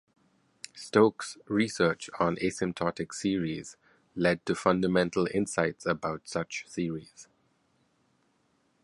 Stokes' research on asymptotic series led to fundamental insights about such series.